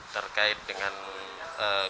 terkait dengan digitalisasi